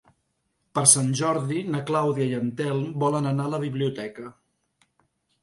Per Sant Jordi na Clàudia i en Telm volen anar a la biblioteca.